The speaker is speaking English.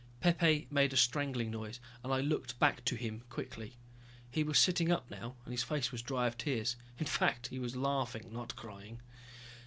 Pepe made a strangling noise and I looked back to him quickly. He was sitting up now and his face was dry of tears. In fact he was laughing, not crying.